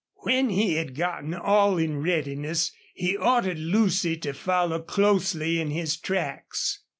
When he had gotten all in readiness he ordered Lucy to follow closely in his tracks.